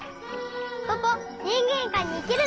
ポポにんげんかいにいけるね！